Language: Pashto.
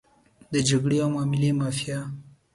د جګړې او معاملې مافیا.